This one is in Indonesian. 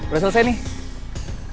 udah selesai nih